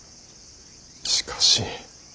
しかし。